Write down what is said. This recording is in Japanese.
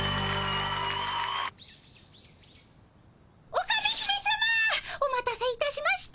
オカメ姫さまお待たせいたしました。